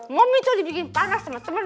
mami tuh dibikin panas temen temen